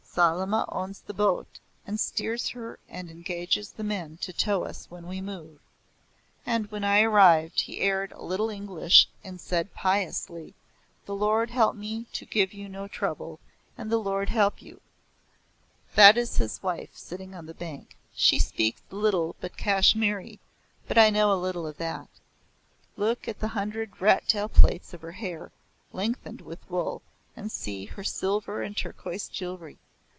Salama owns the boat, and steers her and engages the men to tow us when we move. And when I arrived he aired a little English and said piously; The Lord help me to give you no trouble, and the Lord help you! That is his wife sitting on the bank. She speaks little but Kashmiri, but I know a little of that. Look at the hundred rat tail plaits of her hair, lengthened with wool, and see her silver and turquoise jewelry.